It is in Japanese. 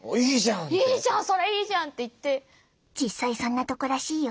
実際そんなとこらしいよ。